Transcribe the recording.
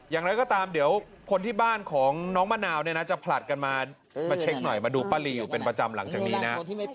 อย่างไรก็ตามเดี๋ยวคนที่บ้านของน้องมะนาวเนี่ยนะจะผลัดกันมาเช็คหน่อยมาดูป้าลีอยู่เป็นประจำหลังจากนี้นะ